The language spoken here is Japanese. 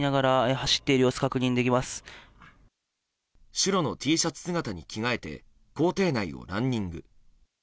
白のＴシャツ姿に着替えて校庭内をランニング。